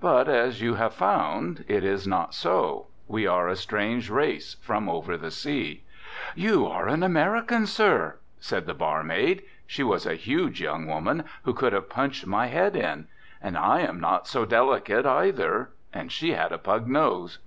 But, as you have found, it is not so we are a strange race from over the sea. "You are an American, sir," said the barmaid. She was a huge young woman who could have punched my head in. I am not so delicate, either. And she had a pug nose.